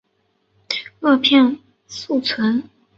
萼片宿存。